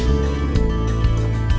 dan juga jangan di latariki